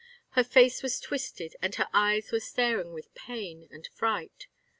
Her face was twisted and her eyes were staring with pain and fright.